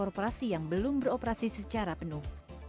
dan sektor korporasi yang belum beroperasi secara penuh